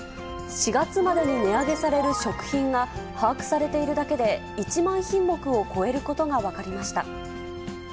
４月までに値上げされる食品が、把握されているだけで１万品目を超えることが分かりました。